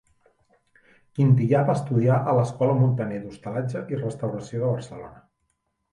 Quintillà va estudiar a l'Escola Muntaner d'Hostalatge i Restauració de Barcelona.